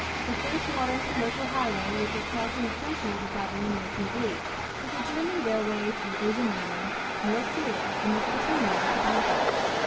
The first modern commercial highway which is crossing the threshold of Babylonia's new Age is the German railway through Asia Minor, North Syria, and Mesopotamia to Baghdad.